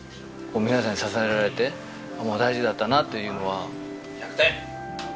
皆さんに支えられて大事だったなというのは。